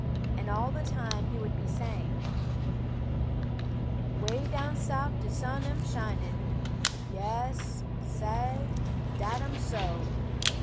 And all the time he would be saying: "Way down Souf de sun am shinin' Yas, Sah, dat am so!